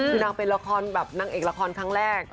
คือนางเป็นละครแบบนางเอกละครครั้งแรก